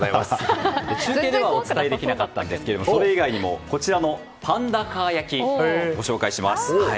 中継ではお伝えできなかったんですがそれ以外にもこちらのパンダカー焼きをご紹介します。